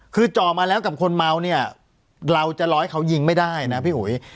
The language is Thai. คือจ่อมาแล้วกับคนเมาเนี่ยเราจะร้อยเขายิงไม่ได้นะพี่อุ๋ย